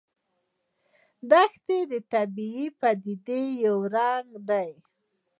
دښتې د طبیعي پدیدو یو رنګ دی.